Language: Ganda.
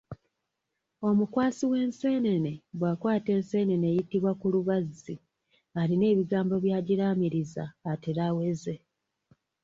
Omukwasi w’enseenene bw’akwata enseenene eyitibwa kulubazzi alina ebigambo by'agiraamiriza atere aweze.